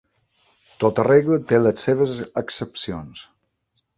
Tota regla té les seves excepcions.